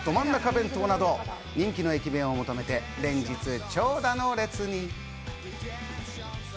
弁当など、人気の駅弁を求めて連日、長蛇の列に。